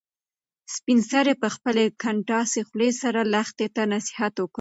سپین سرې په خپلې کنډاسې خولې سره لښتې ته نصیحت وکړ.